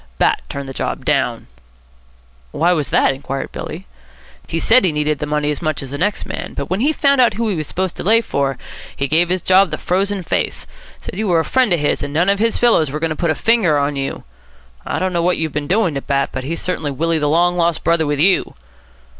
"Bat turned the job down." "Why was that?" inquired Billy. "He said he needed the money as much as the next man, but when he found out who he was supposed to lay for, he gave his job the frozen face. Said you were a friend of his and none of his fellows were going to put a finger on you. I don't know what you've been doing to Bat, but he's certainly Willie the Long Lost Brother with you."